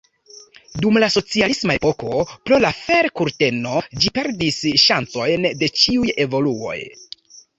Dum la socialisma epoko pro la fer-kurteno ĝi perdis ŝancojn de ĉiuj evoluoj.